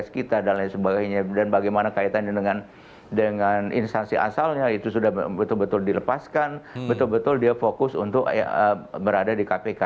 kita dan lain sebagainya dan bagaimana kaitannya dengan instansi asalnya itu sudah betul betul dilepaskan betul betul dia fokus untuk berada di kpk